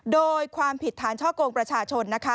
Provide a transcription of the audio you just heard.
โดยความผิดฐานช่อกงประชาชนนะคะ